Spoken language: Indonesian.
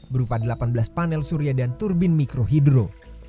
berupa delapan belas panel surya dan turbin mikrohidro